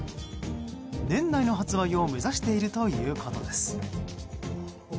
年内の発売を目指しているということです。